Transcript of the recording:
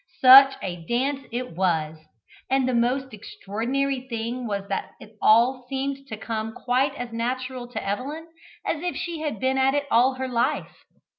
Such a dance it was! And the most extraordinary thing was that it all seemed to come quite as natural to Evelyn as if she had been at it all her life.